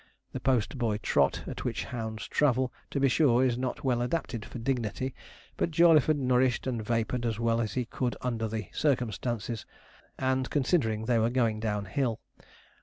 The post boy trot at which hounds travel, to be sure, is not well adapted for dignity; but Jawleyford nourished and vapoured as well as he could under the circumstances, and considering they were going down hill.